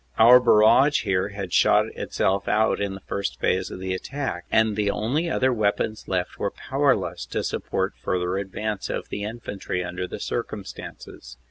Our barrage here had shot itself out in the first phase of the attack, and the only other weapons left were powerless to support further advance of the infantry under the circumstances.